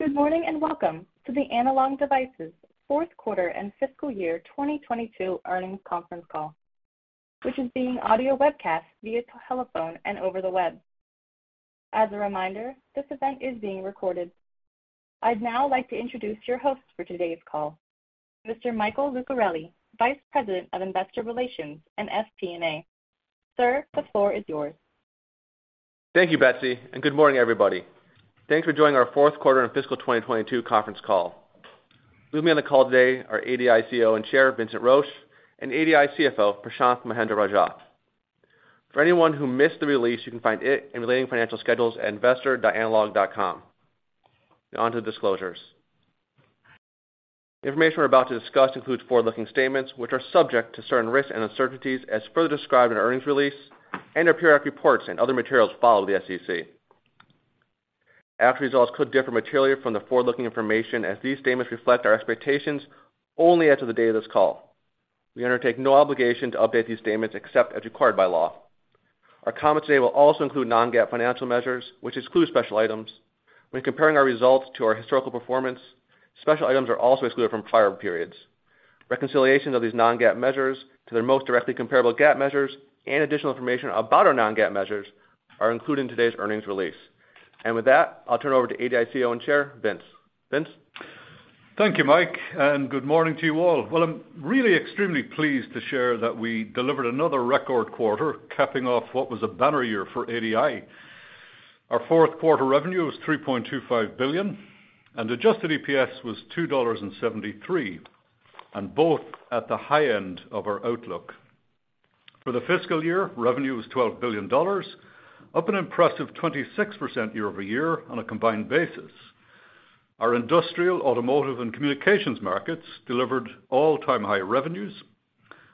Good morning, welcome to the Analog Devices fourth quarter and fiscal year 2022 earnings conference call, which is being audio webcast via telephone and over the web. As a reminder, this event is being recorded. I'd now like to introduce your host for today's call, Mr. Michael Lucarelli, Vice President of Investor Relations and FP&A. Sir, the floor is yours. Thank you, Betsy. Good morning, everybody. Thanks for joining our fourth quarter and fiscal 2022 conference call. With me on the call today are ADI CEO and Chair, Vince Roche, and ADI CFO, Prashanth Mahendra-Rajah. For anyone who missed the release, you can find it in relating financial schedules at investor.analog.com. Now on to the disclosures. The information we're about to discuss includes forward-looking statements, which are subject to certain risks and uncertainties as further described in earnings release and our periodic reports and other materials filed with the SEC. Our results could differ materially from the forward-looking information as these statements reflect our expectations only as of the day of this call. We undertake no obligation to update these statements except as required by law. Our comments today will also include non-GAAP financial measures, which exclude special items. When comparing our results to our historical performance, special items are also excluded from prior periods. Reconciliation of these non-GAAP measures to their most directly comparable GAAP measures and additional information about our non-GAAP measures are included in today's earnings release. With that, I'll turn over to ADI CEO and Chair, Vince. Vince. Thank you, Mike. Good morning to you all. Well, I'm really extremely pleased to share that we delivered another record quarter capping off what was a banner year for ADI. Our fourth quarter revenue was $3.25 billion, and adjusted EPS was $2.73, and both at the high end of our outlook. For the fiscal year, revenue was $12 billion, up an impressive 26% year-over-year on a combined basis. Our industrial, automotive, and communications markets delivered all-time high revenues,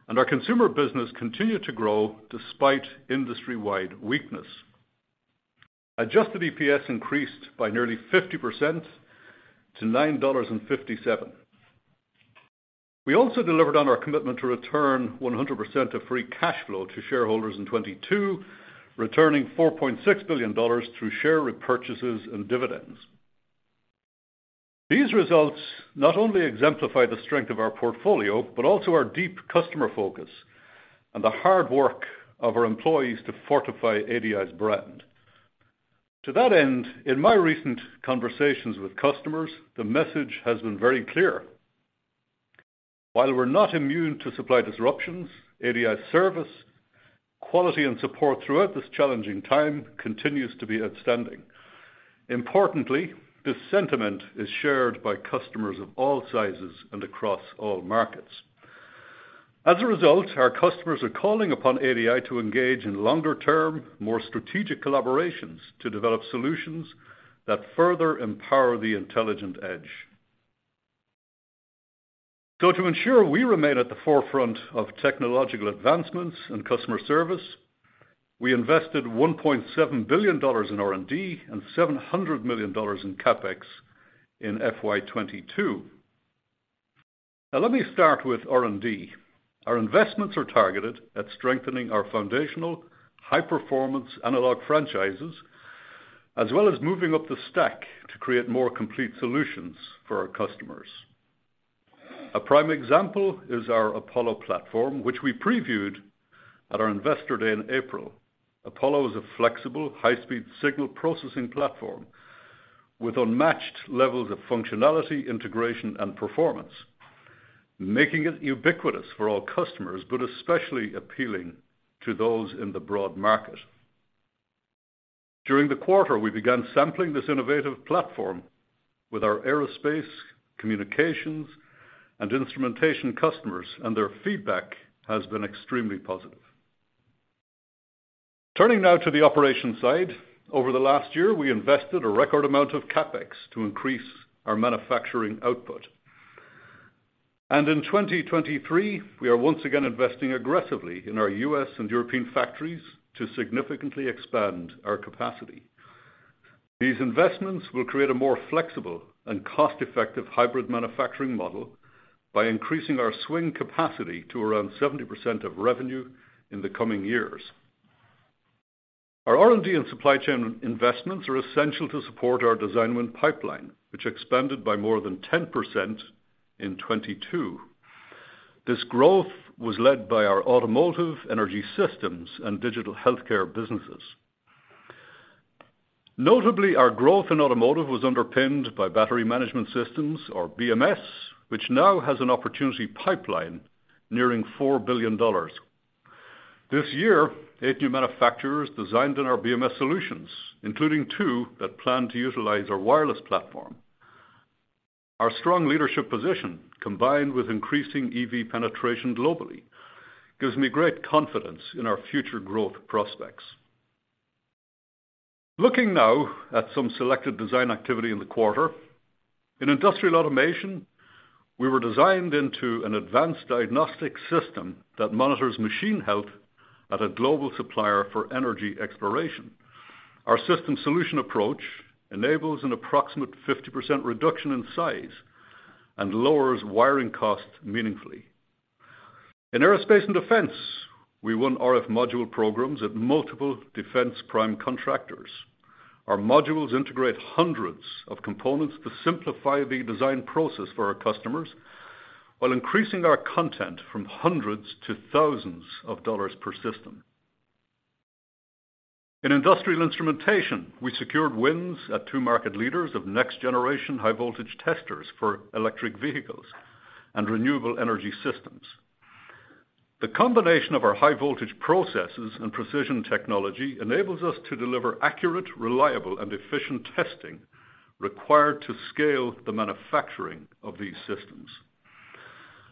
and our consumer business continued to grow despite industry-wide weakness. Adjusted EPS increased by nearly 50% to $9.57. We also delivered on our commitment to return 100% of free cash flow to shareholders in 2022, returning $4.6 billion through share repurchases and dividends. These results not only exemplify the strength of our portfolio, but also our deep customer focus and the hard work of our employees to fortify ADI's brand. To that end, in my recent conversations with customers, the message has been very clear. While we're not immune to supply disruptions, ADI's service, quality, and support throughout this challenging time continues to be outstanding. Importantly, this sentiment is shared by customers of all sizes and across all markets. Our customers are calling upon ADI to engage in longer-term, more strategic collaborations to develop solutions that further empower the intelligent edge. To ensure we remain at the forefront of technological advancements and customer service, we invested $1.7 billion in R&D and $700 million in CapEx in FY 2022. Let me start with R&D. Our investments are targeted at strengthening our foundational high-performance analog franchises, as well as moving up the stack to create more complete solutions for our customers. A prime example is our Apollo platform, which we previewed at our Investor Day in April. Apollo is a flexible high-speed signal processing platform with unmatched levels of functionality, integration, and performance, making it ubiquitous for all customers, but especially appealing to those in the broad market. During the quarter, we began sampling this innovative platform with our aerospace, communications, and instrumentation customers, and their feedback has been extremely positive. Turning now to the operations side. Over the last year, we invested a record amount of CapEx to increase our manufacturing output. In 2023, we are once again investing aggressively in our U.S. and European factories to significantly expand our capacity. These investments will create a more flexible and cost-effective hybrid manufacturing model by increasing our swing capacity to around 70% of revenue in the coming years. Our R&D and supply chain investments are essential to support our design win pipeline, which expanded by more than 10% in 2022. This growth was led by our automotive energy systems and digital healthcare businesses. Notably, our growth in automotive was underpinned by battery management systems or BMS, which now has an opportunity pipeline nearing $4 billion. This year, eight new manufacturers designed in our BMS solutions, including two that plan to utilize our wireless platform. Our strong leadership position, combined with increasing EV penetration globally, gives me great confidence in our future growth prospects. Looking now at some selected design activity in the quarter. In industrial automation, we were designed into an advanced diagnostic system that monitors machine health at a global supplier for energy exploration. Our system solution approach enables an approximate 50% reduction in size and lowers wiring costs meaningfully. In aerospace and defense, we won RF module programs at multiple defense prime contractors. Our modules integrate hundreds of components to simplify the design process for our customers, while increasing our content from hundreds to thousands of dollars per system. In industrial instrumentation, we secured wins at two market leaders of next generation high voltage testers for electric vehicles and renewable energy systems. The combination of our high voltage processes and precision technology enables us to deliver accurate, reliable, and efficient testing required to scale the manufacturing of these systems.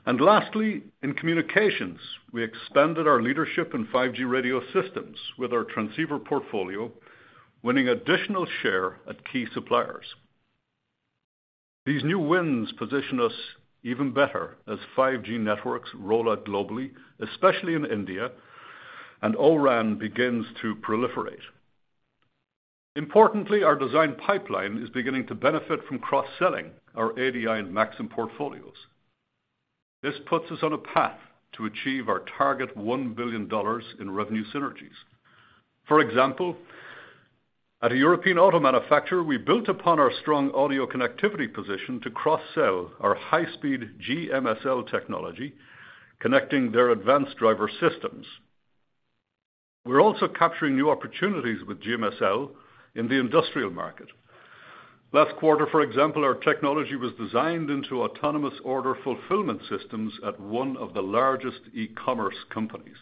Lastly, in communications, we expanded our leadership in 5G radio systems with our transceiver portfolio, winning additional share at key suppliers. These new wins position us even better as 5G networks roll out globally, especially in India, and O-RAN begins to proliferate. Importantly, our design pipeline is beginning to benefit from cross-selling our ADI and Maxim portfolios. This puts us on a path to achieve our target $1 billion in revenue synergies. For example, at a European auto manufacturer, we built upon our strong audio connectivity position to cross-sell our high speed GMSL technology, connecting their advanced driver systems. We're also capturing new opportunities with GMSL in the industrial market. Last quarter, for example, our technology was designed into autonomous order fulfillment systems at one of the largest e-commerce companies.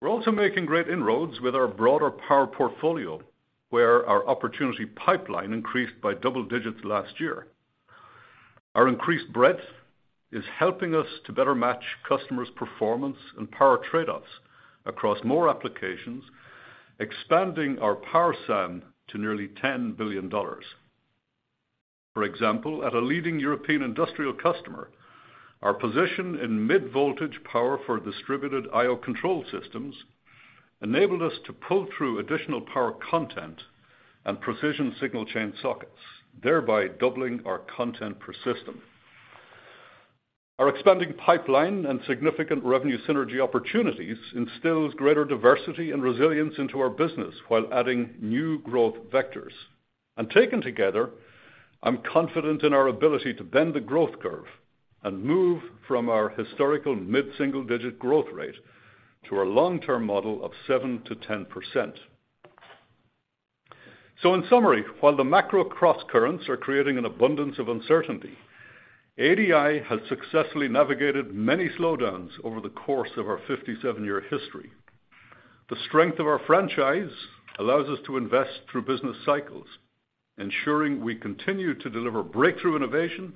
We're also making great inroads with our broader power portfolio, where our opportunity pipeline increased by double digits last year. Our increased breadth is helping us to better match customers' performance and power trade-offs across more applications, expanding our power SAM to nearly $10 billion. For example, at a leading European industrial customer, our position in mid-voltage power for distributed IO control systems enabled us to pull through additional power content and precision signal chain sockets, thereby doubling our content per system. Our expanding pipeline and significant revenue synergy opportunities instills greater diversity and resilience into our business while adding new growth vectors. Taken together, I'm confident in our ability to bend the growth curve and move from our historical mid-single-digit growth rate to a long-term model of 7%-10%. In summary, while the macro crosscurrents are creating an abundance of uncertainty, ADI has successfully navigated many slowdowns over the course of our 57-year history. The strength of our franchise allows us to invest through business cycles, ensuring we continue to deliver breakthrough innovation,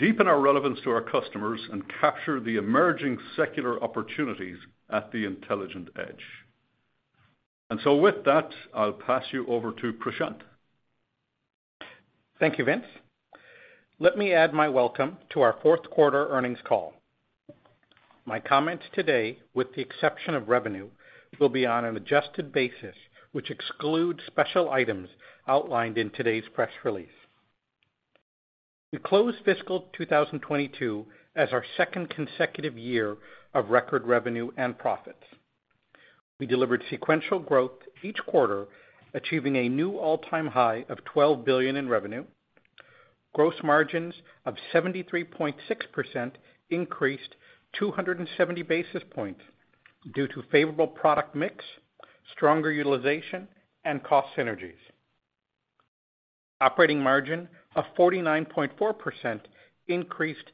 deepen our relevance to our customers, and capture the emerging secular opportunities at the intelligent edge. With that, I'll pass you over to Prashant. Thank you, Vince. Let me add my welcome to our fourth quarter earnings call. My comments today, with the exception of revenue, will be on an adjusted basis, which excludes special items outlined in today's press release. We closed fiscal 2022 as our second consecutive year of record revenue and profits. We delivered sequential growth each quarter, achieving a new all-time high of $12 billion in revenue. Gross margins of 73.6% increased 270 basis points due to favorable product mix, stronger utilization, and cost synergies. Operating margin of 49.4% increased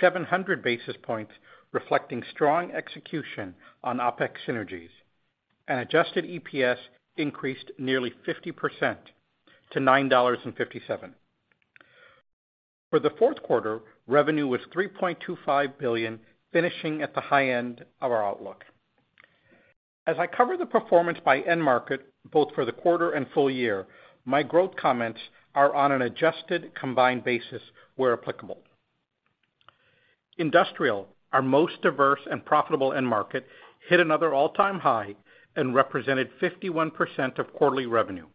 700 basis points, reflecting strong execution on OpEx synergies, and adjusted EPS increased nearly 50% to $9.57. For the fourth quarter, revenue was $3.25 billion, finishing at the high end of our outlook. As I cover the performance by end market, both for the quarter and full year, my growth comments are on an adjusted combined basis where applicable. Industrial, our most diverse and profitable end market, hit another all-time high and represented 51% of quarterly revenue.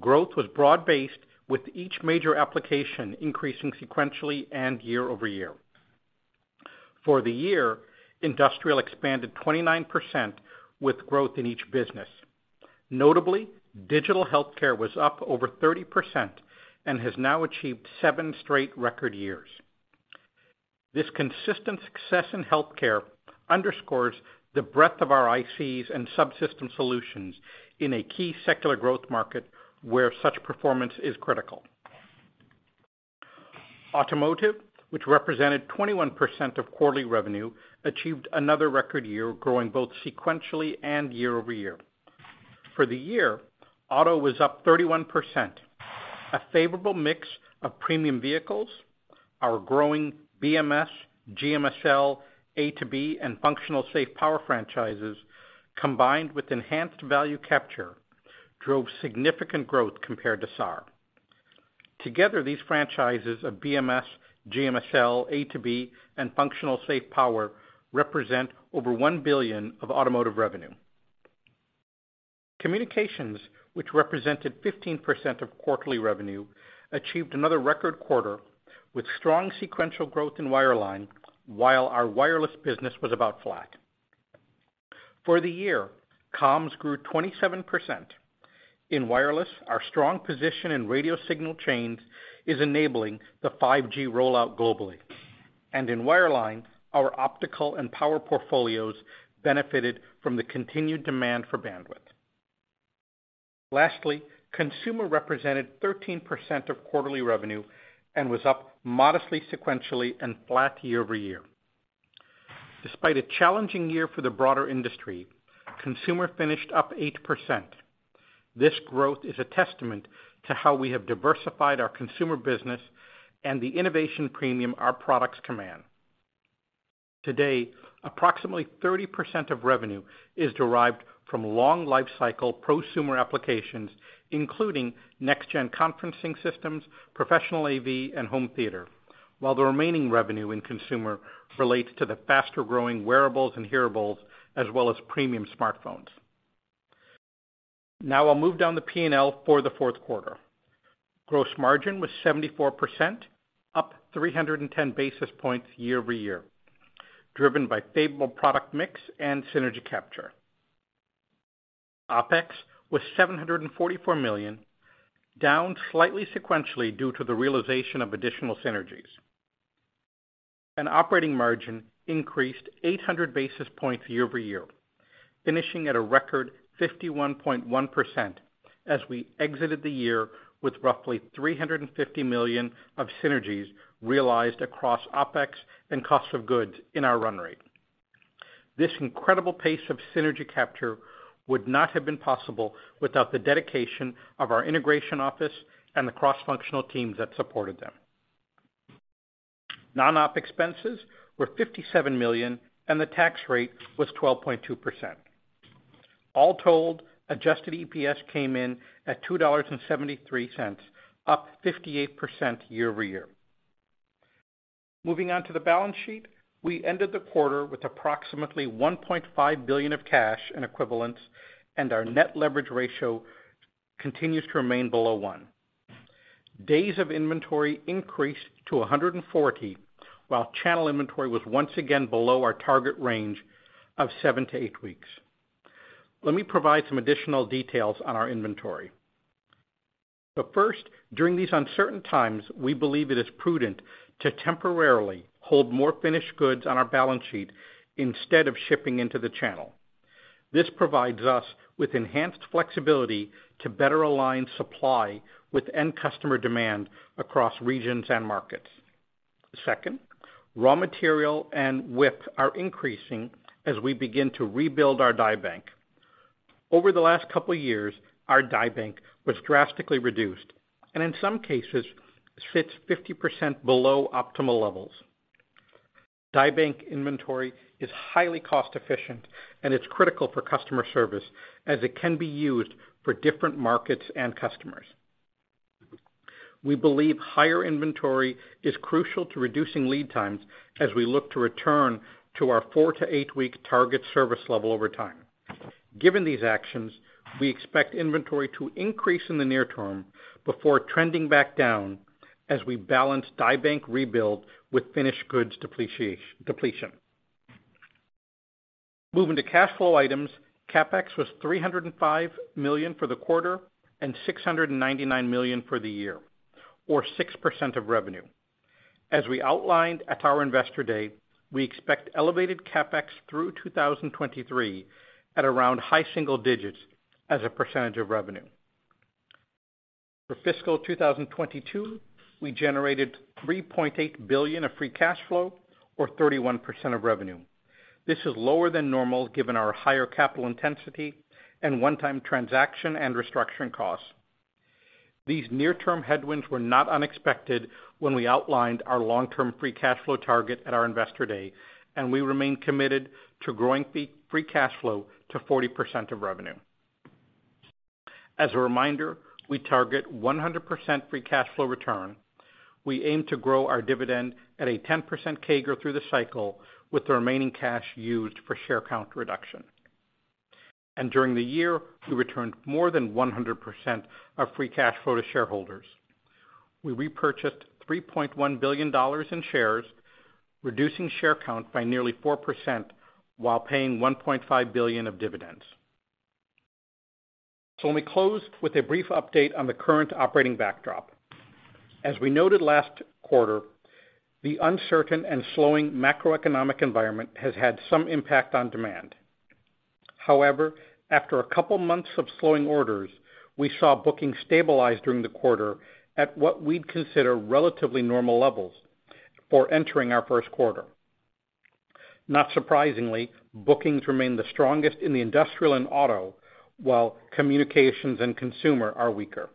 Growth was broad-based, with each major application increasing sequentially and year-over-year. For the year, industrial expanded 29% with growth in each business. Notably, digital healthcare was up over 30% and has now achieved seven straight record years. This consistent success in healthcare underscores the breadth of our ICs and subsystem solutions in a key secular growth market where such performance is critical. Automotive, which represented 21% of quarterly revenue, achieved another record year growing both sequentially and year-over-year. For the year, auto was up 31%, a favorable mix of premium vehicles, our growing BMS, GMSL, A2B, and functional safe power franchises combined with enhanced value capture drove significant growth compared to SAR. Together, these franchises of BMS, GMSL, A2B, and functional safe power represent over $1 billion of automotive revenue. Communications, which represented 15% of quarterly revenue, achieved another record quarter with strong sequential growth in wireline, while our wireless business was about flat. For the year, comms grew 27%. In wireless, our strong position in radio signal chains is enabling the 5G rollout globally. In wireline, our optical and power portfolios benefited from the continued demand for bandwidth. Lastly, consumer represented 13% of quarterly revenue and was up modestly sequentially and flat year-over-year. Despite a challenging year for the broader industry, consumer finished up 8%. This growth is a testament to how we have diversified our consumer business and the innovation premium our products command. Today, approximately 30% of revenue is derived from long lifecycle prosumer applications, including next gen conferencing systems, professional AV, and home theater. While the remaining revenue in consumer relates to the faster-growing wearables and hearables, as well as premium smartphones. I'll move down the P&L for the fourth quarter. Gross margin was 74%, up 310 basis points year-over-year, driven by favorable product mix and synergy capture. OpEx was $744 million, down slightly sequentially due to the realization of additional synergies. Operating margin increased 800 basis points year-over-year, finishing at a record 51.1% as we exited the year with roughly $350 million of synergies realized across OpEx and cost of goods in our run rate. This incredible pace of synergy capture would not have been possible without the dedication of our integration office and the cross-functional teams that supported them. Non-op expenses were $57 million, and the tax rate was 12.2%. All told, adjusted EPS came in at $2.73, up 58% year-over-year. Moving on to the balance sheet. We ended the quarter with approximately $1.5 billion of cash in equivalents, and our net leverage ratio continues to remain below one. Days of inventory increased to 140, while channel inventory was once again below our target range of seven to eight weeks. Let me provide some additional details on our inventory. First, during these uncertain times, we believe it is prudent to temporarily hold more finished goods on our balance sheet instead of shipping into the channel. This provides us with enhanced flexibility to better align supply with end customer demand across regions and markets. Second, raw material and width are increasing as we begin to rebuild our die bank. Over the last couple years, our die bank was drastically reduced and in some cases sits 50% below optimal levels. Die bank inventory is highly cost-efficient, and it's critical for customer service as it can be used for different markets and customers. We believe higher inventory is crucial to reducing lead times as we look to return to our four to eight week target service level over time. Given these actions, we expect inventory to increase in the near term before trending back down as we balance die bank rebuild with finished goods depletion. Moving to cash flow items. CapEx was $305 million for the quarter and $699 million for the year, or 6% of revenue. As we outlined at our Investor Day, we expect elevated CapEx through 2023 at around high single digits as a percentage of revenue. For fiscal 2022, we generated $3.8 billion of free cash flow or 31% of revenue. This is lower than normal given our higher capital intensity and one-time transaction and restructuring costs. These near-term headwinds were not unexpected when we outlined our long-term free cash flow target at our Investor Day, we remain committed to growing free cash flow to 40% of revenue. As a reminder, we target 100% free cash flow return. We aim to grow our dividend at a 10% CAGR through the cycle with the remaining cash used for share count reduction. During the year, we returned more than 100% of free cash flow to shareholders. We repurchased $3.1 billion in shares, reducing share count by nearly 4% while paying $1.5 billion of dividends. Let me close with a brief update on the current operating backdrop. As we noted last quarter, the uncertain and slowing macroeconomic environment has had some impact on demand. However, after a couple months of slowing orders, we saw bookings stabilize during the quarter at what we'd consider relatively normal levels for entering our first quarter. Not surprisingly, bookings remain the strongest in the industrial and auto, while communications and consumer are weaker.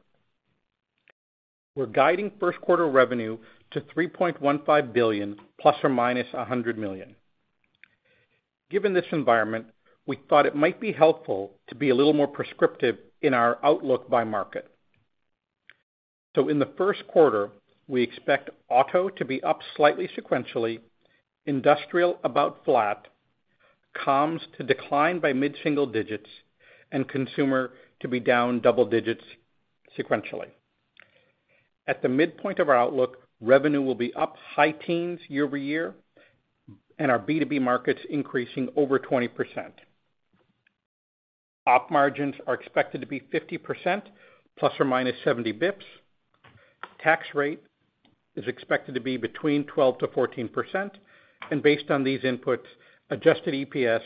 We're guiding first quarter revenue to $3.15 billion ± $100 million. Given this environment, we thought it might be helpful to be a little more prescriptive in our outlook by market. In the first quarter, we expect auto to be up slightly sequentially, industrial about flat, comms to decline by mid-single digits, and consumer to be down double digits sequentially. At the midpoint of our outlook, revenue will be up high teens year-over-year, and our B2B markets increasing over 20%. Op margins are expected to be 50% ± 70 basis points. Tax rate is expected to be between 12%-14%. Based on these inputs, adjusted EPS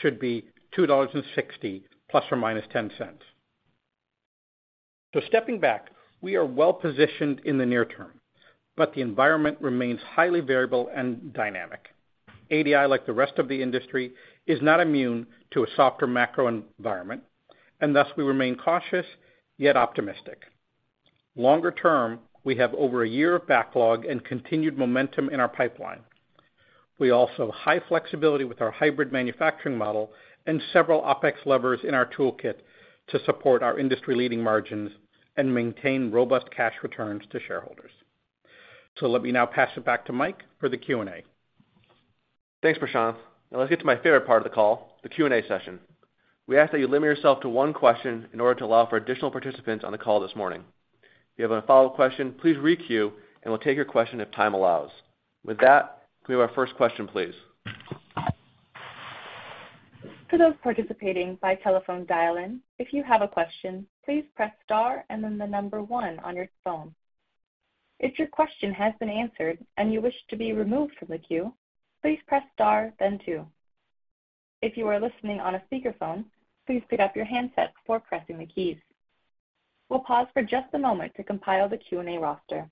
should be $2.60 ±$0.10. Stepping back, we are well-positioned in the near term, but the environment remains highly variable and dynamic. ADI, like the rest of the industry, is not immune to a softer macro environment, and thus we remain cautious yet optimistic. Longer term, we have over a year of backlog and continued momentum in our pipeline. We also have high flexibility with our hybrid manufacturing model and several OpEx levers in our toolkit to support our industry-leading margins and maintain robust cash returns to shareholders. Let me now pass it back to Mike for the Q&A. Thanks, Prashanth. Now let's get to my favorite part of the call, the Q&A session. We ask that you limit yourself to one question in order to allow for additional participants on the call this morning. If you have a follow question, please re-queue, and we'll take your question if time allows. With that, can we have our first question, please? For those participating by telephone dial-in, if you have a question, please press star and then one on your phone. If your question has been answered and you wish to be removed from the queue, please press star, then two. If you are listening on a speakerphone, please pick up your handset before pressing the keys. We'll pause for just a moment to compile the Q&A roster.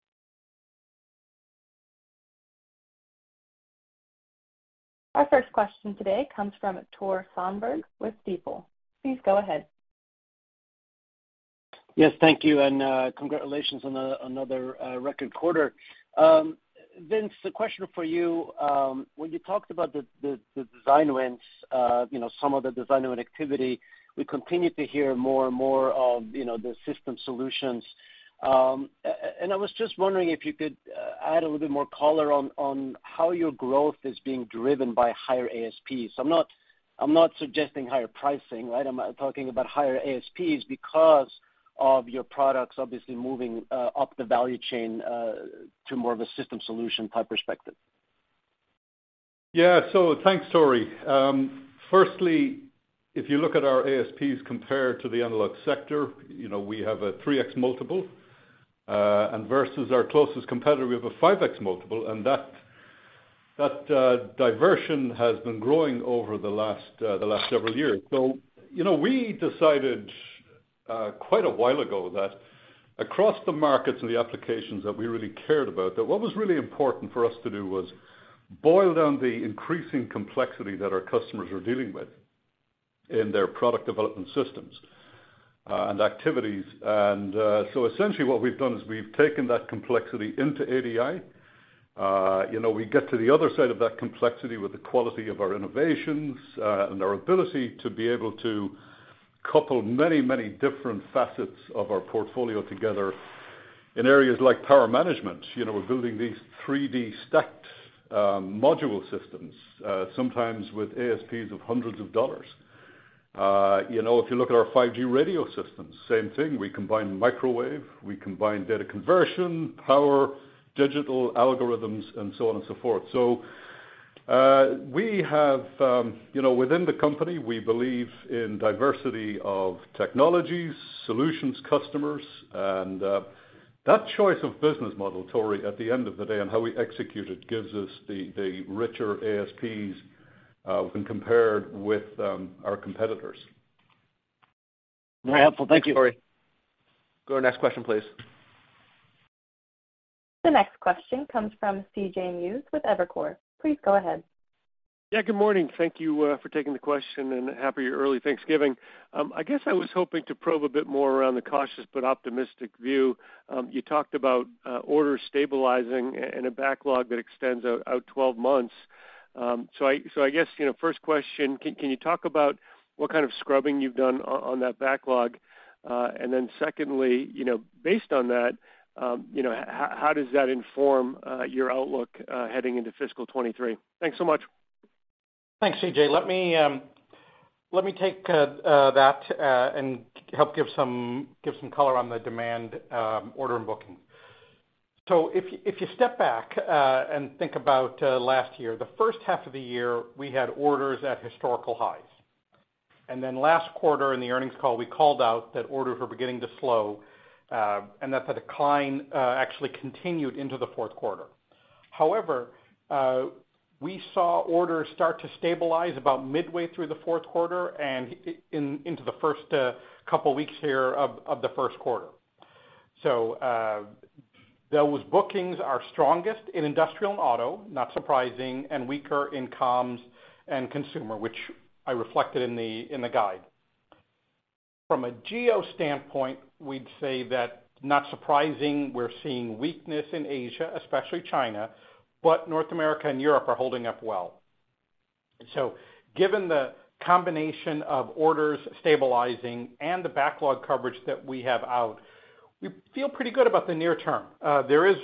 Our first question today comes from Tore Svanberg with Stifel. Please go ahead. Yes, thank you. Congratulations on another record quarter. Vince, a question for you. When you talked about the design wins, you know, some of the design win activity, we continue to hear more and more of, you know, the system solutions. I was just wondering if you could add a little bit more color on how your growth is being driven by higher ASPs. I'm not suggesting higher pricing, right? I'm talking about higher ASPs because of your products obviously moving up the value chain to more of a system solution type perspective. Thanks, Tori. Firstly, if you look at our ASPs compared to the analog sector, you know, we have a 3x multiple, and versus our closest competitor, we have a 5x multiple, and that diversion has been growing over the last several years. We decided, quite a while ago that across the markets and the applications that we really cared about, that what was really important for us to do was boil down the increasing complexity that our customers are dealing with in their product development systems, and activities. Essentially what we've done is we've taken that complexity into ADI. You know, we get to the other side of that complexity with the quality of our innovations, and our ability to be able to couple many, many different facets of our portfolio together in areas like power management. You know, we're building these 3-D stacked module systems, sometimes with ASPs of hundreds of dollars. You know, if you look at our 5G radio systems, same thing. We combine microwave, we combine data conversion, power, digital algorithms, and so on and so forth. We have, you know, within the company, we believe in diversity of technologies, solutions customers, and that choice of business model, Tore, at the end of the day, and how we execute it gives us the richer ASPs when compared with our competitors. Very helpful. Thank you. Thanks, Tori. Go to our next question, please. The next question comes from CJ Muse with Evercore. Please go ahead. Good morning. Thank you for taking the question, and happy early Thanksgiving. I guess I was hoping to probe a bit more around the cautious but optimistic view. You talked about orders stabilizing and a backlog that extends out 12 months. I guess, you know, first question, can you talk about what kind of scrubbing you've done on that backlog? Secondly, you know, based on that, you know, how does that inform your outlook heading into fiscal 2023? Thanks so much. Thanks, CJ. Let me take that and help give some color on the demand, order and booking. If you step back and think about last year, the first half of the year, we had orders at historical highs. Last quarter in the earnings call, we called out that orders were beginning to slow, and that the decline actually continued into the fourth quarter. We saw orders start to stabilize about midway through the fourth quarter and into the first couple weeks here of the first quarter. Those bookings are strongest in industrial and auto, not surprising, and weaker in comms and consumer, which I reflected in the guide. From a geo standpoint, we'd say that, not surprising, we're seeing weakness in Asia, especially China, but North America and Europe are holding up well. So given the combination of orders stabilizing and the backlog coverage that we have out, we feel pretty good about the near term. There is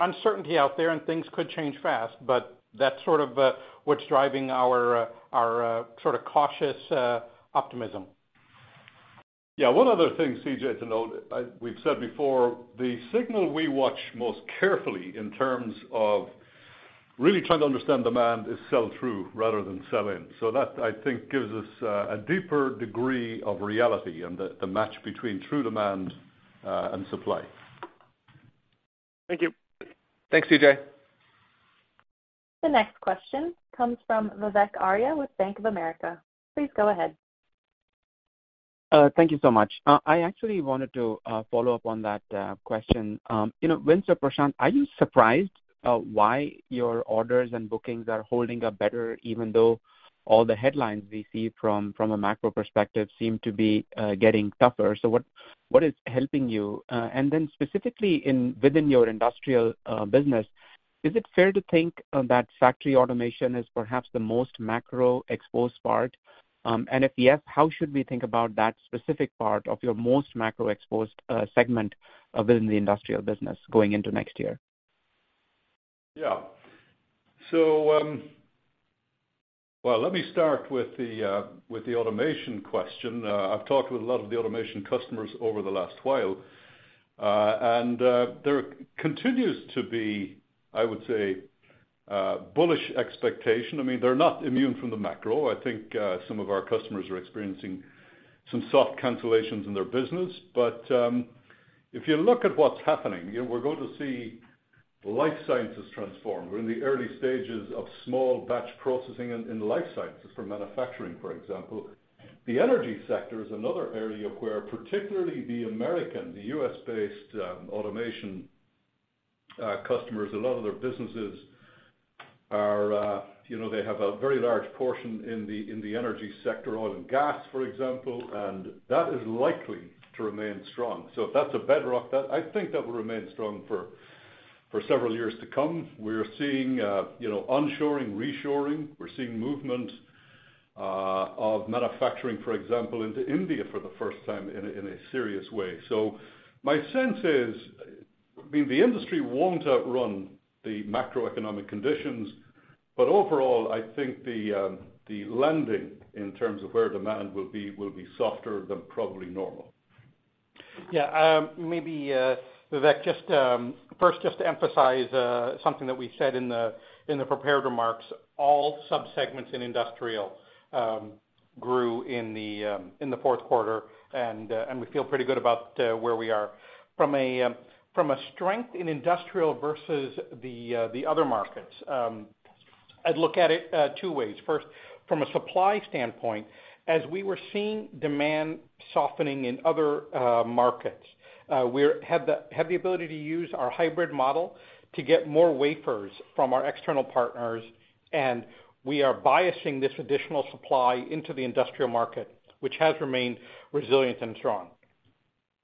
uncertainty out there, and things could change fast, but that's sort of what's driving our our sort of cautious optimism. Yeah. One other thing, CJ, to note, we've said before, the signal we watch most carefully in terms of really trying to understand demand is sell-through rather than sell-in. That, I think, gives us a deeper degree of reality and the match between true demand and supply. Thank you. Thanks, CJ. The next question comes from Vivek Arya with Bank of America. Please go ahead. Thank you so much. I actually wanted to follow up on that question. You know, Vince or Prashant, are you surprised why your orders and bookings are holding up better, even though all the headlines we see from a macro perspective seem to be getting tougher? What is helping you? Specifically within your industrial business, is it fair to think that factory automation is perhaps the most macro exposed part? If yes, how should we think about that specific part of your most macro exposed segment within the industrial business going into next year? Yeah. Well, let me start with the with the automation question. I've talked with a lot of the automation customers over the last while, and there continues to be, I would say, bullish expectation. I mean, they're not immune from the macro. I think, some of our customers are experiencing some soft cancellations in their business. If you look at what's happening, you know, we're going to see life sciences transform. We're in the early stages of small batch processing in life sciences for manufacturing, for example. The energy sector is another area where particularly the American, the U.S.-based automation customers, a lot of their businesses are, you know, they have a very large portion in the in the energy sector, oil and gas, for example, and that is likely to remain strong. If that's a bedrock, that I think that will remain strong for several years to come. We're seeing, you know, onshoring, reshoring. We're seeing movement of manufacturing, for example, into India for the first time in a serious way. My sense is, I mean, the industry won't outrun the macroeconomic conditions, but overall, I think the lending in terms of where demand will be softer than probably normal. Yeah. Maybe, Vivek, just first, just to emphasize something that we said in the prepared remarks, all subsegments in industrial grew in the fourth quarter, and we feel pretty good about where we are. From a strength in industrial versus the other markets, I'd look at it two ways. First, from a supply standpoint, as we were seeing demand softening in other markets, we have the ability to use our hybrid model to get more wafers from our external partners, and we are biasing this additional supply into the industrial market, which has remained resilient and strong.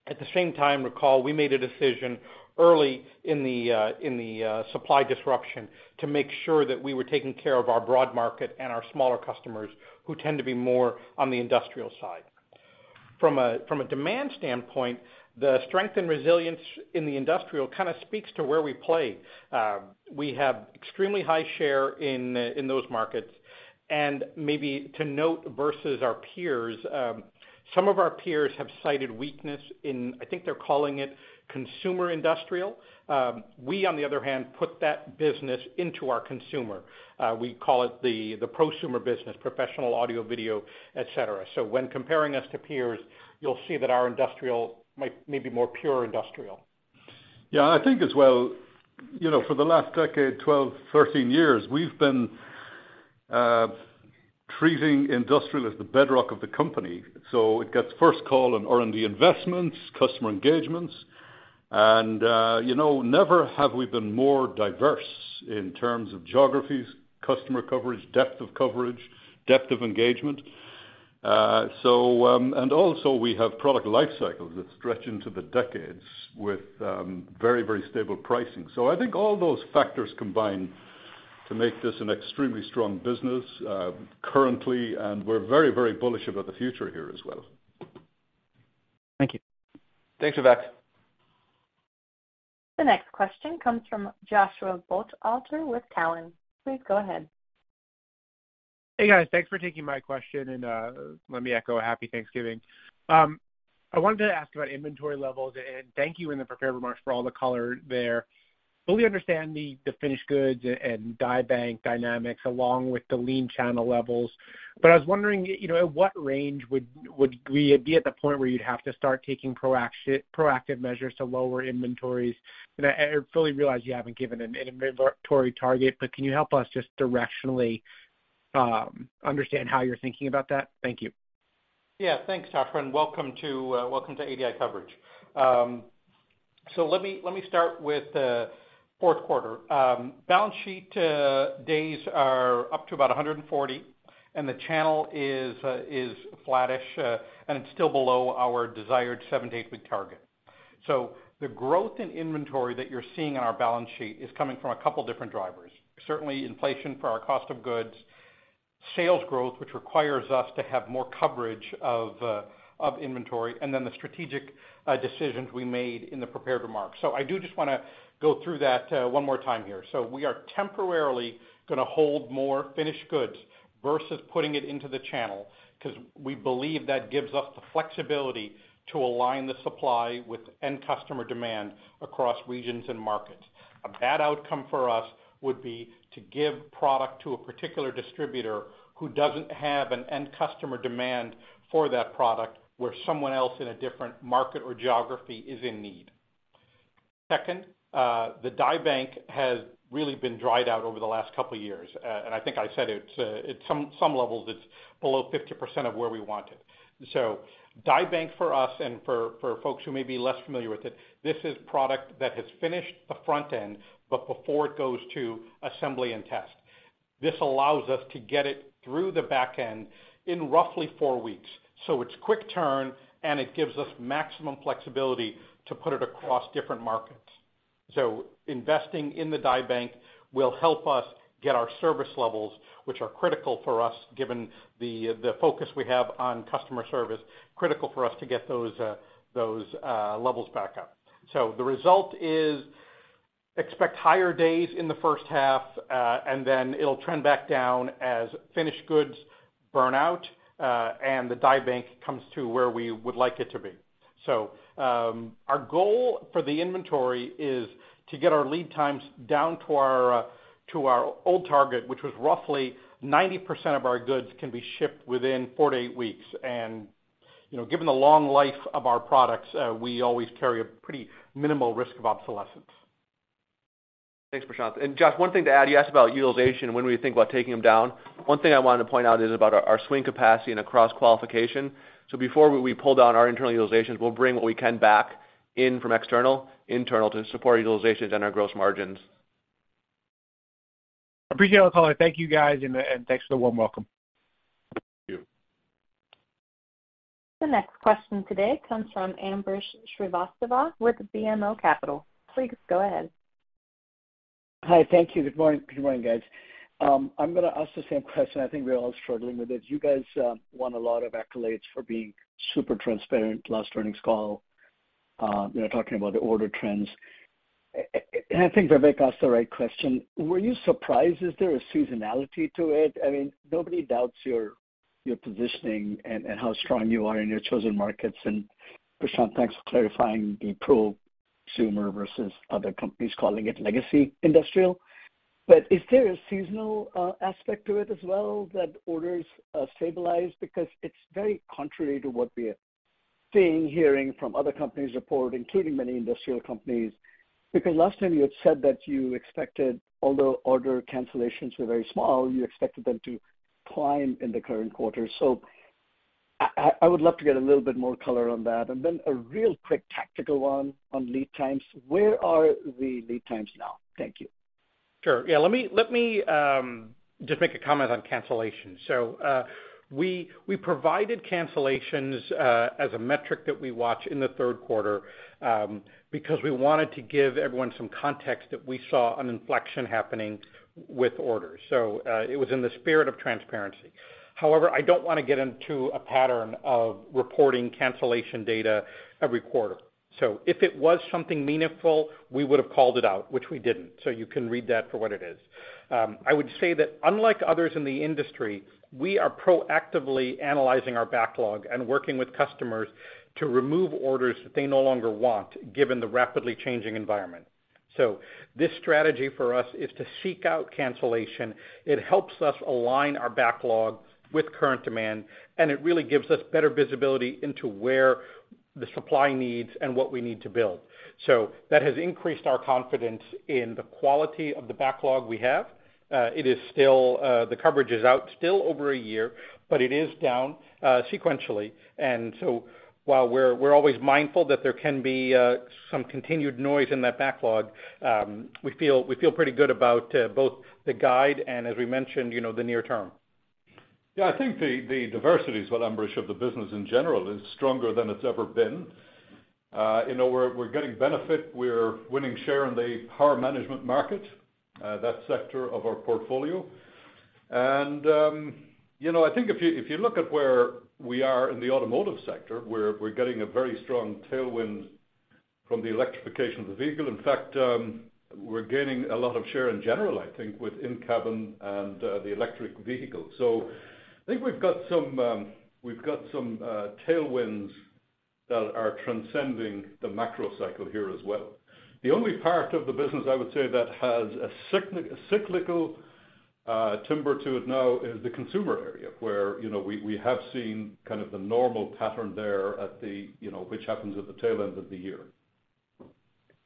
At the same time, recall, we made a decision early in the supply disruption to make sure that we were taking care of our broad market and our smaller customers who tend to be more on the industrial side. From a, from a demand standpoint, the strength and resilience in the industrial kind of speaks to where we play. We have extremely high share in in those markets, and maybe to note versus our peers, some of our peers have cited weakness in, I think they're calling it consumer industrial. We, on the other hand, put that business into our consumer. We call it the prosumer business, professional audio, video, et cetera. When comparing us to peers, you'll see that our industrial might may be more pure industrial. Yeah. I think as well, you know, for the last decade, 12, 13 years, we've been treating industrial as the bedrock of the company. It gets first call on R&D investments, customer engagements, you know, never have we been more diverse in terms of geographies, customer coverage, depth of coverage, depth of engagement. Also we have product life cycles that stretch into the decades with very, very stable pricing. I think all those factors combine to make this an extremely strong business currently, and we're very, very bullish about the future here as well. Thank you. Thanks, Vivek. The next question comes from Josh Buchalter with Cowen. Please go ahead. Hey, guys. Thanks for taking my question, and let me echo a happy Thanksgiving. I wanted to ask about inventory levels, and thank you in the prepared remarks for all the color there. Fully understand the finished goods and die bank dynamics along with the lean channel levels. I was wondering, you know, at what range would we be at the point where you'd have to start taking proactive measures to lower inventories? I fully realize you haven't given an inventory target, but can you help us just directionally understand how you're thinking about that? Thank you. Thanks, Joshua, welcome to ADI coverage. Let me start with the fourth quarter. Balance sheet days are up to about 140, the channel is flattish, it's still below our desired seven to eight week target. The growth in inventory that you're seeing on our balance sheet is coming from a couple different drivers. Certainly inflation for our cost of goods, sales growth, which requires us to have more coverage of inventory, the strategic decisions we made in the prepared remarks. I do just wanna go through that one more time here. We are temporarily gonna hold more finished goods versus putting it into the channel because we believe that gives us the flexibility to align the supply with end customer demand across regions and markets. A bad outcome for us would be to give product to a particular distributor who doesn't have an end customer demand for that product, where someone else in a different market or geography is in need. Second, the die bank has really been dried out over the last couple years. And I think I said it, at some levels, it's below 50% of where we want it. Die bank for us and for folks who may be less familiar with it, this is product that has finished the front end but before it goes to assembly and test. This allows us to get it through the back end in roughly four weeks. It's quick turn, and it gives us maximum flexibility to put it across different markets. Investing in the die bank will help us get our service levels, which are critical for us, given the focus we have on customer service, critical for us to get those levels back up. The result is expect higher days in the first half, and then it'll trend back down as finished goods burn out, and the die bank comes to where we would like it to be. Our goal for the inventory is to get our lead times down to our old target, which was roughly 90% of our goods can be shipped within four to eight weeks. You know, given the long life of our products, we always carry a pretty minimal risk of obsolescence. Thanks, Prashanth. Jeff, one thing to add. You asked about utilization when we think about taking them down. One thing I wanted to point out is about our swing capacity and across qualification. Before we pulled down our internal utilizations, we'll bring what we can back in from external, internal to support utilizations and our gross margins. Appreciate all the color. Thank you guys, and thanks for the warm welcome. Thank you. The next question today comes from Ambrish Srivastava with BMO Capital. Please go ahead. Hi. Thank you. Good morning. Good morning, guys. I'm gonna ask the same question. I think we're all struggling with it. You guys won a lot of accolades for being super transparent last earnings call, you know, talking about the order trends. I think Vivek asked the right question. Were you surprised? Is there a seasonality to it? I mean, nobody doubts your positioning and how strong you are in your chosen markets. Prashanth, thanks for clarifying the prosumer versus other companies calling it legacy industrial. Is there a seasonal aspect to it as well that orders stabilize? It's very contrary to what we're seeing, hearing from other companies' report, including many industrial companies. Last time you had said that you expected, although order cancellations were very small, you expected them to climb in the current quarter. I would love to get a little bit more color on that. Then a real quick tactical one on lead times. Where are the lead times now? Thank you. Sure. Yeah, let me just make a comment on cancellations. We provided cancellations as a metric that we watch in the third quarter because we wanted to give everyone some context that we saw an inflection happening with orders. It was in the spirit of transparency. However, I don't wanna get into a pattern of reporting cancellation data every quarter. If it was something meaningful, we would've called it out, which we didn't. You can read that for what it is. I would say that unlike others in the industry, we are proactively analyzing our backlog and working with customers to remove orders that they no longer want given the rapidly changing environment. This strategy for us is to seek out cancellation. It helps us align our backlog with current demand, and it really gives us better visibility into where the supply needs and what we need to build. That has increased our confidence in the quality of the backlog we have. It is still, the coverage is out still over a year, but it is down sequentially. While we're always mindful that there can be some continued noise in that backlog, we feel pretty good about both the guide and as we mentioned, you know, the near term. Yeah, I think the diversity is what, Ambrish, of the business in general is stronger than it's ever been. You know, we're getting benefit. We're winning share in the power management market, that sector of our portfolio. You know, I think if you, if you look at where we are in the automotive sector, we're getting a very strong tailwind from the electrification of the vehicle. In fact, we're gaining a lot of share in general, I think, with in-cabin and the electric vehicle. I think we've got some tailwinds that are transcending the macro cycle here as well. The only part of the business I would say that has a cyclical timber to it now is the consumer area, where, you know, we have seen kind of the normal pattern there at the, you know, which happens at the tail end of the year.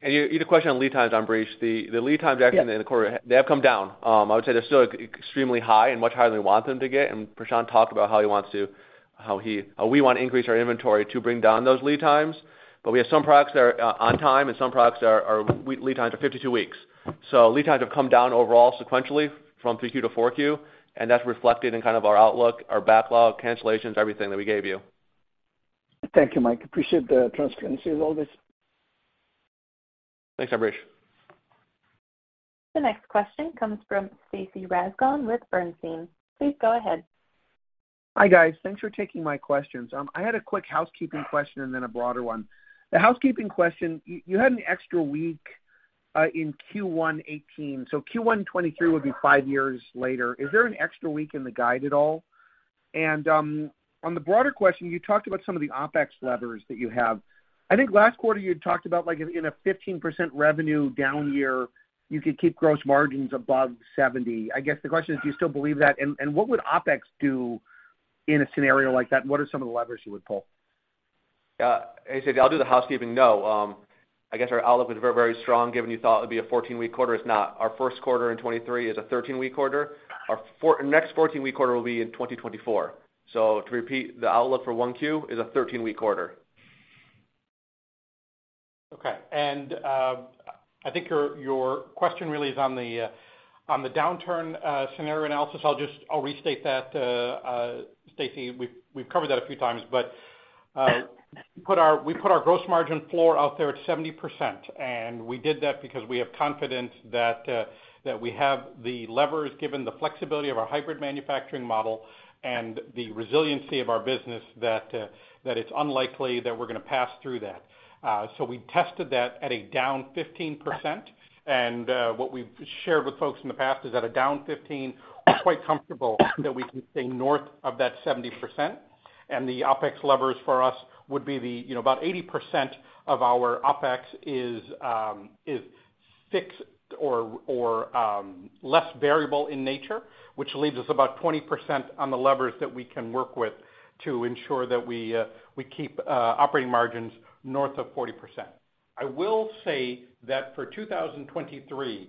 You had a question on lead times, Ambrish. The lead times actually in the quarter, they have come down. I would say they're still extremely high and much higher than we want them to get. Prashanth talked about how we wanna increase our inventory to bring down those lead times. We have some products that are on time and some products that are lead times are 52 weeks. Lead times have come down overall sequentially from 3Q to 4Q, and that's reflected in kind of our outlook, our backlog, cancellations, everything that we gave you. Thank you, Mike. Appreciate the transparency of all this. Thanks, Abresh. The next question comes from Stacy Rasgon with Bernstein. Please go ahead. Hi, guys. Thanks for taking my questions. I had a quick housekeeping question and then a broader one. The housekeeping question, you had an extra week in Q1 2018, so Q1 2023 would be five years later. Is there an extra week in the guide at all? On the broader question, you talked about some of the OpEx levers that you have. I think last quarter you had talked about like in a 15% revenue down year, you could keep gross margins above 70. I guess the question is, do you still believe that? What would OpEx do in a scenario like that? What are some of the levers you would pull? Yeah. Hey, Stacy, I'll do the housekeeping. No. I guess our outlook was very, very strong, given you thought it would be a 14-week quarter. It's not. Our first quarter in 2023 is a 13-week quarter. Our next 14-week quarter will be in 2024. To repeat, the outlook for 1Q is a 13-week quarter. Okay. I think your question really is on the downturn, scenario analysis. I'll restate that, Stacy. We've covered that a few times, but we put our gross margin floor out there at 70%, and we did that because we have confidence that we have the levers, given the flexibility of our hybrid manufacturing model and the resiliency of our business, that it's unlikely that we're gonna pass through that. So we tested that at a down 15%, and what we've shared with folks in the past is at a down 15, we're quite comfortable that we can stay north of that 70%. The OpEx levers for us would be the, you know, about 80% of our OpEx is fixed or, less variable in nature, which leaves us about 20% on the levers that we can work with to ensure that we keep operating margins north of 40%. I will say that for 2023, you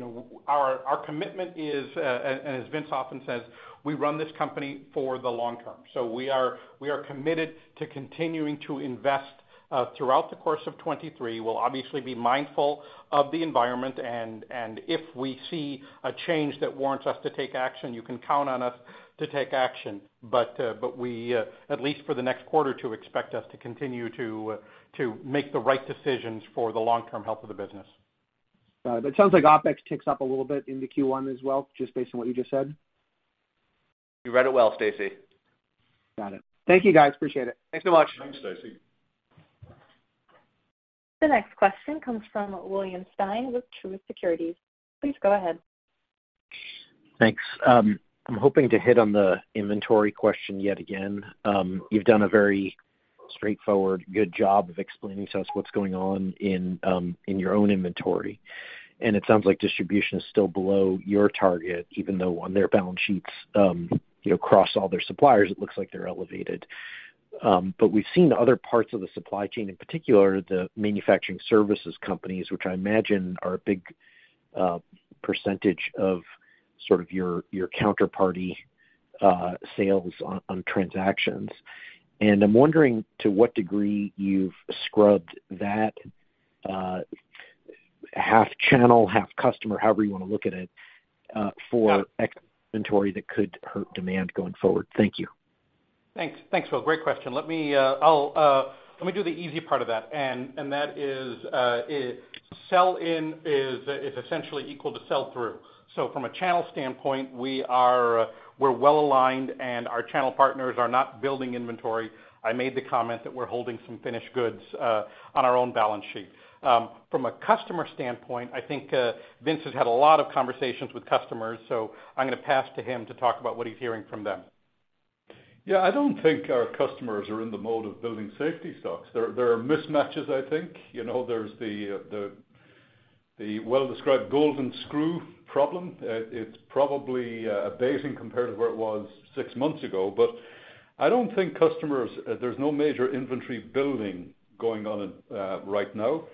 know, our commitment is, and as Vince often says, we run this company for the long term. We are, we are committed to continuing to invest throughout the course of 2023. We'll obviously be mindful of the environment and if we see a change that warrants us to take action, you can count on us to take action. We, at least for the next quarter, to expect us to continue to make the right decisions for the long-term health of the business. That sounds like OpEx ticks up a little bit into Q1 as well, just based on what you just said. You read it well, Stacy. Got it. Thank you, guys. Appreciate it. Thanks so much. The next question comes from William Stein with Truist Securities. Please go ahead. Thanks. I'm hoping to hit on the inventory question yet again. You've done a very straightforward, good job of explaining to us what's going on in your own inventory. It sounds like distribution is still below your target, even though on their balance sheets, you know, across all their suppliers, it looks like they're elevated. But we've seen other parts of the supply chain, in particular the manufacturing services companies, which I imagine are a big percentage of sort of your counterparty sales on transactions. I'm wondering to what degree you've scrubbed that, half channel, half customer, however you wanna look at it, for inventory that could hurt demand going forward. Thank you. Thanks. Thanks, Will. Great question. Let me do the easy part of that. That is sell in is essentially equal to sell through. From a channel standpoint, we are, we're well aligned, and our channel partners are not building inventory. I made the comment that we're holding some finished goods on our own balance sheet. From a customer standpoint, I think Vince has had a lot of conversations with customers, so I'm gonna pass to him to talk about what he's hearing from them. I don't think our customers are in the mode of building safety stocks. There are mismatches, I think. You know, there's the well-described golden screw problem. It's probably abating compared to where it was six months ago. I don't think there's no major inventory building going on right now.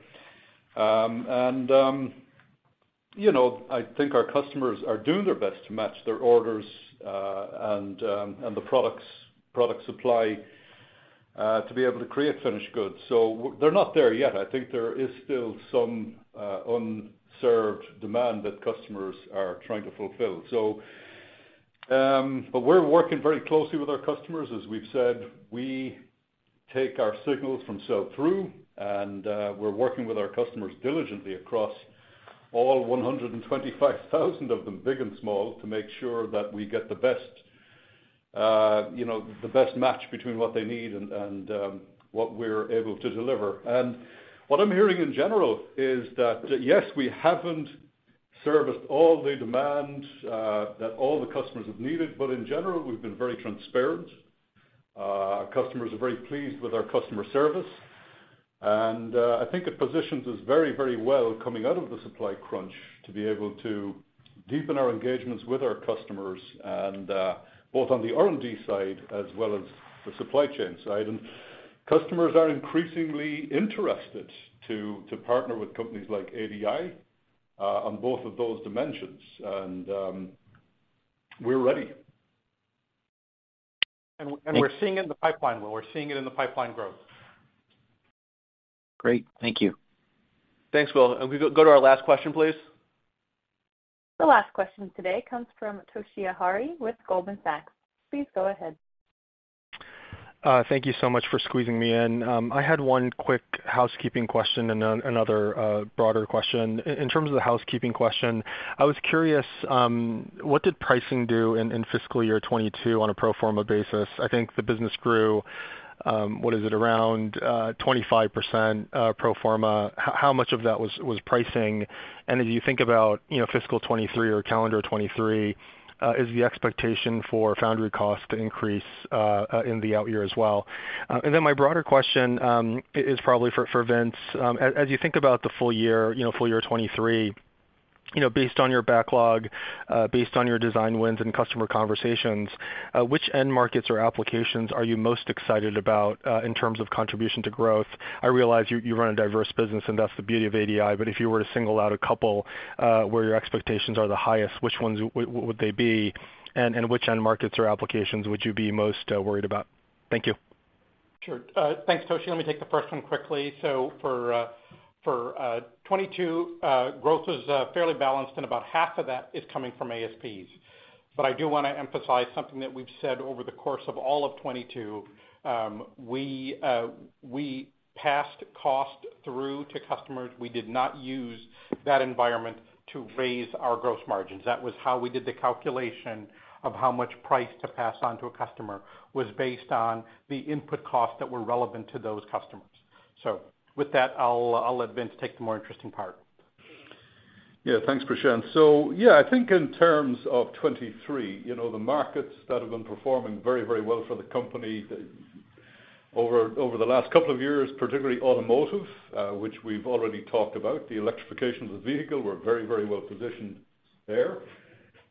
You know, I think our customers are doing their best to match their orders, and the product supply to be able to create finished goods. They're not there yet. I think there is still some unserved demand that customers are trying to fulfill. We're working very closely with our customers. As we've said, we take our signals from sell-through, we're working with our customers diligently across all 125,000 of them, big and small, to make sure that we get the best, you know, the best match between what they need and what we're able to deliver. What I'm hearing in general is that, yes, we haven't serviced all the demand that all the customers have needed, but in general, we've been very transparent. Our customers are very pleased with our customer service. I think it positions us very, very well coming out of the supply crunch to be able to deepen our engagements with our customers and both on the R&D side as well as the supply chain side. Customers are increasingly interested to partner with companies like ADI, on both of those dimensions. We're ready. We're seeing it in the pipeline, Will. We're seeing it in the pipeline growth. Great. Thank you. Thanks, Will. We go to our last question, please. The last question today comes from Toshiya Hari with Goldman Sachs. Please go ahead. Thank you so much for squeezing me in. I had one quick housekeeping question and another broader question. In terms of the housekeeping question, I was curious, what did pricing do in fiscal year 2022 on a pro forma basis? I think the business grew, what is it? Around 25% pro forma. How much of that was pricing? As you think about, you know, fiscal 2023 or calendar 2023, is the expectation for foundry cost to increase in the out year as well? My broader question is probably for Vince. As you think about the full year, you know, full year 2023, you know, based on your backlog, based on your design wins and customer conversations, which end markets or applications are you most excited about, in terms of contribution to growth? I realize you run a diverse business, and that's the beauty of ADI, but if you were to single out a couple, where your expectations are the highest, which ones would they be, and which end markets or applications would you be most worried about? Thank you. Sure. Thanks, Toshi. Let me take the first one quickly. For 2022, growth was fairly balanced, and about half of that is coming from ASPs. I do wanna emphasize something that we've said over the course of all of 2022. We passed cost through to customers. We did not use that environment to raise our gross margins. That was how we did the calculation of how much price to pass on to a customer, was based on the input costs that were relevant to those customers. With that, I'll let Vince take the more interesting part. Thanks, Prashant. Yeah, I think in terms of 2023, you know, the markets that have been performing very, very well for the company over the last couple of years, particularly automotive, which we've already talked about. The electrification of the vehicle, we're very, very well positioned there.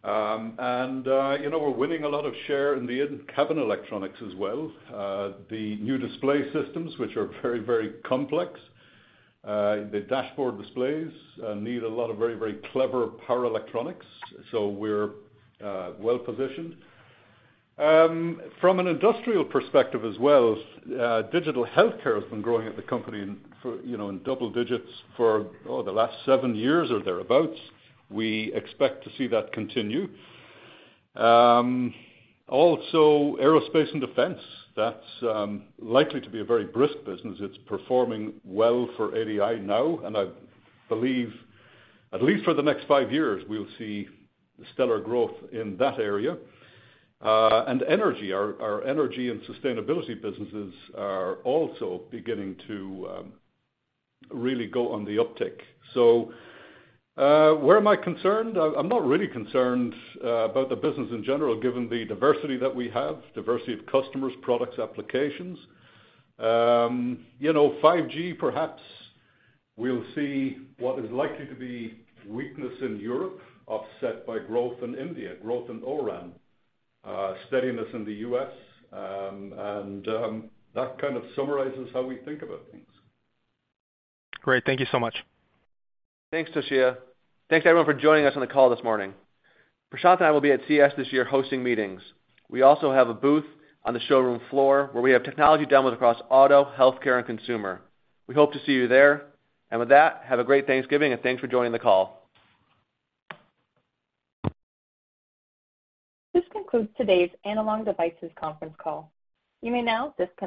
You know, we're winning a lot of share in the in-cabin electronics as well. The new display systems, which are very, very complex, the dashboard displays, need a lot of very, very clever power electronics, so we're well positioned. From an industrial perspective as well, digital healthcare has been growing at the company for, you know, in double digits for the last seven years or thereabouts. We expect to see that continue. Aerospace and defense. That's likely to be a very brisk business. It's performing well for ADI now, and I believe at least for the next five years, we'll see stellar growth in that area. Energy. Our energy and sustainability businesses are also beginning to really go on the uptick. Where am I concerned? I'm not really concerned about the business in general, given the diversity that we have, diversity of customers, products, applications. You know, 5G perhaps we'll see what is likely to be weakness in Europe offset by growth in India, growth in O-RAN, steadiness in the U.S. That kind of summarizes how we think about things. Great. Thank you so much. Thanks, Toshiya. Thanks, everyone for joining us on the call this morning. Prashant and I will be at CS this year hosting meetings. We also have a booth on the showroom floor where we have technology demos across auto, healthcare, and consumer. We hope to see you there. With that, have a great Thanksgiving, and thanks for joining the call. This concludes today's Analog Devices conference call. You may now disconnect.